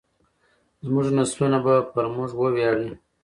زموږ نسلونه به پر موږ وویاړي.